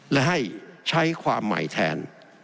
และให้ใช้ความใหม่แทน